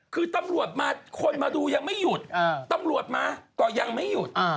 คือตำรวจมาคนมาดูยังไม่หยุดตำรวจมาก็ยังไม่หยุด